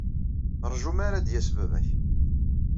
Ṛju mi ara d-yas baba-k.